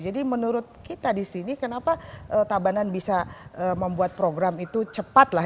jadi menurut kita disini kenapa tabanan bisa membuat program itu cepat lah